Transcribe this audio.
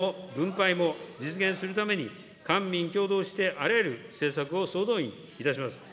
成長も分配も実現するために、官民共同して、あらゆる政策を総動員いたします。